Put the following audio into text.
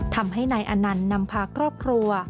ทำให้นายอนันต์นำพาครอบครัว